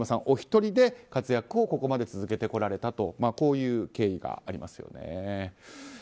お一人で活躍をここまで続けてこられたという経緯がありますよね。